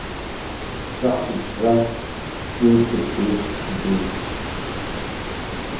Taqcict-a d timsetḥit n tidet.